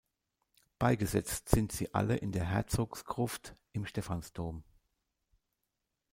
Beigesetzt sind sie alle in der Herzogsgruft im Stephansdom.